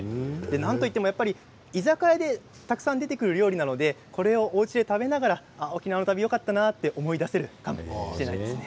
なんといっても、やっぱり居酒屋でたくさん出てくる料理なのでこれをおうちで食べながら沖縄の旅、よかったなと思い出せるかもしれないですね。